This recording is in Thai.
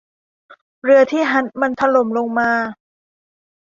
เรือที่ฮัลล์มันถล่มลงมา